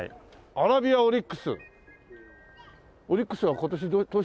アラビアオリックス。